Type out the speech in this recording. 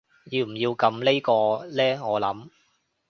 要唔要撳呢個呢我諗